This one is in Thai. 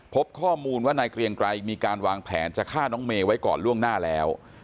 พบข้อมูลว่านายเกรียงไกรมีการวางแผนจะฆ่าน้องเมย์ไว้ก่อนล่วงหน้าแล้ว